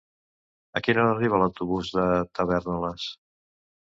A quina hora arriba l'autobús de Tavèrnoles?